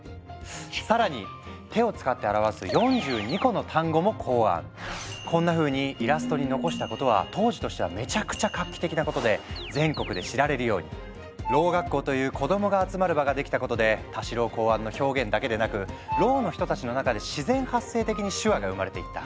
さらに手を使って表すこんなふうにイラストに残したことは当時としてはめちゃくちゃ画期的なことで全国で知られるように。ろう学校という子どもが集まる場ができたことで太四郎考案の表現だけでなくろうの人たちの中で自然発生的に手話が生まれていった。